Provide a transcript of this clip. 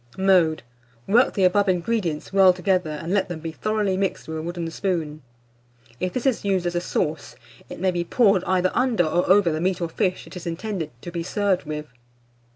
Mode. Work the above ingredients well together, and let them be thoroughly mixed with a wooden spoon. If this is used as a sauce, it may be poured either under or over the meat or fish it is intended to be served with.